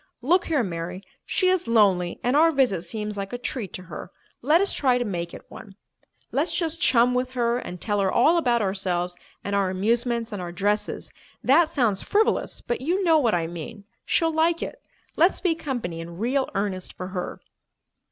Look here, Mary, she is lonely and our visit seems like a treat to her. Let us try to make it one. Let's just chum with her and tell her all about ourselves and our amusements and our dresses. That sounds frivolous, but you know what I mean. She'll like it. Let's be company in real earnest for her."